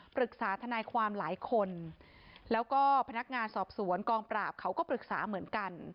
ทนายความหลายคนแล้วก็พนักงานสอบสวนกองปราบเขาก็ปรึกษาเหมือนกัน